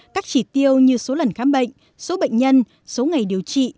các chỉ tiêu như số lần khám bệnh số bệnh nhân số ngày điều trị